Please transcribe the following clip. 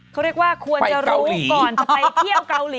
เขาเรียกว่าควรจะรู้ก่อนจะไปเที่ยวเกาหลี